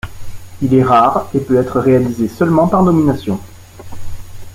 Il est rare et peut être réalisé seulement par nomination.